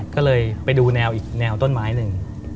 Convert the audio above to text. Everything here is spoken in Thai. ก็เลยไปดูแนวอีกแนวต้นไม้หนึ่ง